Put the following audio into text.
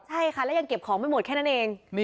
ใช่ค่ะแล้วยังเก็บของไม่หมดแค่นั้นเอง